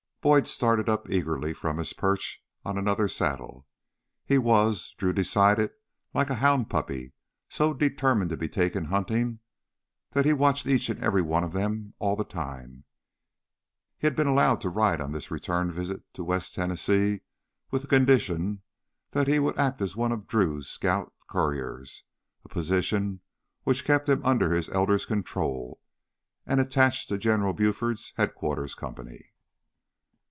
Boyd started up eagerly from his perch on another saddle. He was, Drew decided, like a hound puppy, so determined to be taken hunting that he watched each and every one of them all the time. He had been allowed to ride on this return visit to West Tennessee with the condition that he would act as one of Drew's scout couriers, a position which kept him under his elder's control and attached to General Buford's Headquarters Company.